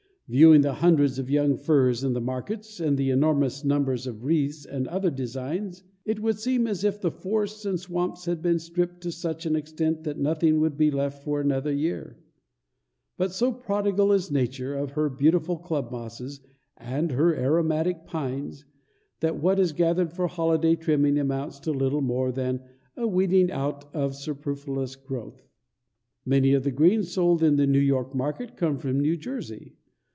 Viewing the hundreds of young firs in the markets, and the enormous numbers of wreaths and other designs, it would seem as if the forests and swamps had been stripped to such an extent that nothing would be left for another year; but so prodigal is Nature of her beautiful club mosses and her aromatic pines, that what is gathered for holiday trimming amounts to little more than a weeding out of superfluous growth. Many of the greens sold in the New York market come from New Jersey.